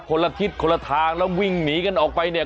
คนละทิศคนละทางแล้ววิ่งหนีกันออกไปเนี่ย